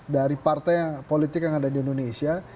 dari partai politik yang ada di indonesia